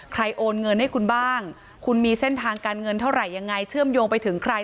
โอนเงินให้คุณบ้างคุณมีเส้นทางการเงินเท่าไหร่ยังไงเชื่อมโยงไปถึงใคร